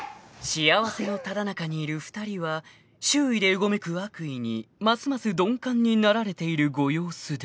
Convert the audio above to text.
［幸せのただ中にいる２人は周囲でうごめく悪意にますます鈍感になられているご様子で］